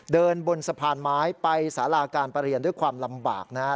เดินบนสะพานไม้ไปสาราการประเรียนด้วยความลำบากนะฮะ